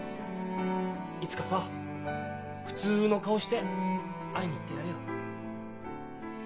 いつかさ普通の顔して会いに行ってやれよ。